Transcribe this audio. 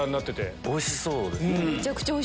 おいしそうですね。